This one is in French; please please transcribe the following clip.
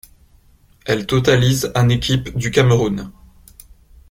Elle totalise en équipe du Cameroun.